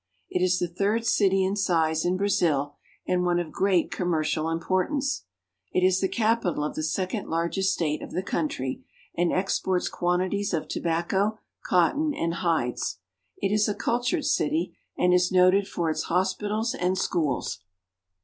It is the third city in size in Brazil, and one of great com mercial importance. It is the capital of the second largest Street Scene. state of the country, and exports quantities of tobacco, cotton, and hides. It is a cultured city, and is noted for its hospitals and schools.